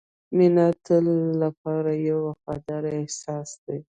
• مینه د تل لپاره یو وفادار احساس دی.